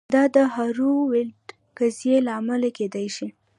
دا د هارو ویلډ قضیې له امله کیدای شي